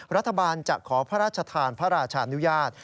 รัฐบาลจะขอพระราชทานพระราชานุญาต